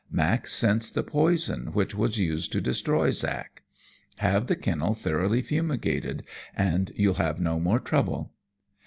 Mack scents the poison which was used to destroy Zack. Have the kennel thoroughly fumigated, and you'll have no more trouble.'